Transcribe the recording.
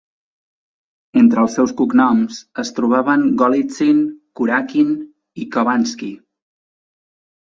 Entre els seus cognoms es trobaven Golitsin, Kurakin i Khovansky.